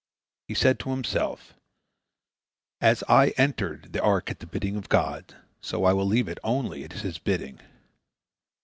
He said to himself, "As I entered the ark at the bidding of God, so I will leave it only at His bidding."